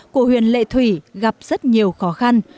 của huyền lệ thủy gặp rất nhiều khó khăn